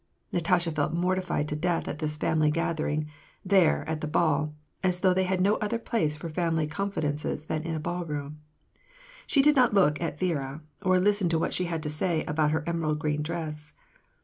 Natasha felt mortified to death at this family gathering, there, at the ball ; as though they had no other place for family con fidences than in a ballroom. She did not look at Viera, or lis ten to what she had to say about her emerald green dress.